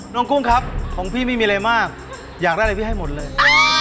กุ้งครับของพี่ไม่มีอะไรมากอยากได้อะไรพี่ให้หมดเลย